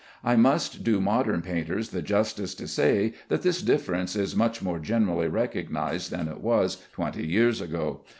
I must do modern painters the justice to say that this difference is much more generally recognized than it was twenty years ago.